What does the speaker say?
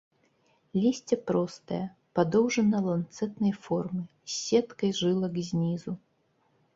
Лісце простае, падоўжана-ланцэтнай формы, з сеткай жылак знізу.